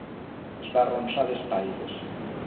Es va arronsar d'espatlles.